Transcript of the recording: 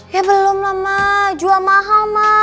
ya belum lah ma jual mahal ma